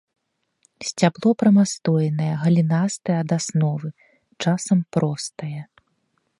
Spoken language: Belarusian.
Сцябло прамастойнае, галінастае ад асновы, часам простае.